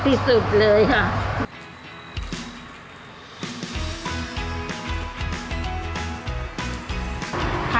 ที่สุดเลยค่ะ